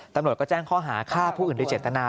ตำรวจก็แจ้งข้อหาฆ่าผู้อื่นโดยเจตนา